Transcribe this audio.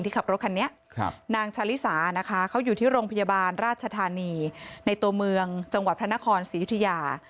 ที่โรงพยาบาลราชธานีในตัวเมืองจังหวัดพระนครศิริยะ